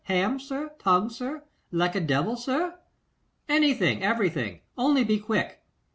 Ham, sir? Tongue, sir? Like a devil, sir?' 'Anything, everything, only be quick.